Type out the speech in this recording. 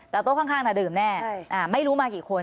แต่โต๊ะข้างน่ะดื่มแน่ไม่รู้มากี่คน